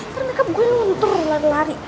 ternyata gue luntur lari lari